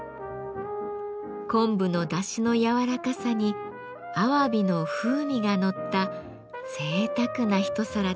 昆布のだしの柔らかさにアワビの風味がのったぜいたくな一皿です。